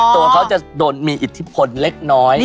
ตัวเขาจะโดนมีอิทธิพลเล็กน้อย